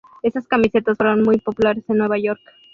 Esas camisetas fueron muy populares en Nueva York.